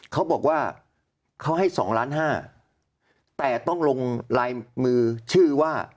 เขาบอกว่าเขาให้สองล้านห้าแต่ต้องลงลายมือชื่อว่า